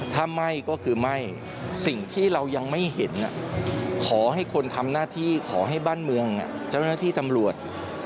ถ้าไม่ก็คือไม่สิ่งที่เรายังไม่เห็นขอให้คนทำหน้าที่ขอให้บ้านเมืองเจ้าหน้าที่ตำรวจ